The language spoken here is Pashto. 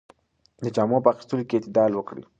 د جامو په اخیستلو کې اعتدال وکړئ.